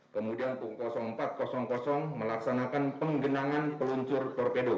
kemudian punggung empat ratus melaksanakan penggenangan peluncur torpedo